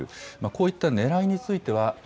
こういったねらいについては。